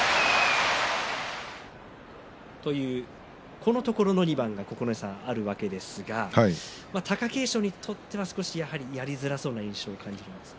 このところの２番があるわけですけど貴景勝にとっては少しやりづらそうな印象を感じるんですが。